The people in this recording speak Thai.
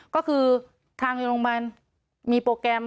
ก็คือทางโรงพยาบาลมีโปรแกรม